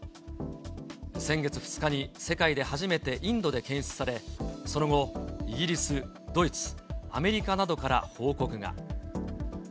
先月２日に世界で初めてインドで検出され、その後、イギリス、ドイツ、アメリカなどから報告が。